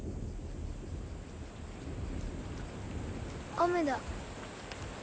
雨だ。